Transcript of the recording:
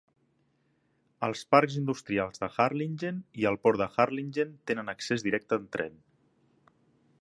Els parcs industrials de Harlingen i el port de Harlingen tenen accés directe al tren.